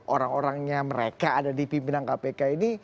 orang orang yang mereka ada di pimpinan kpk ini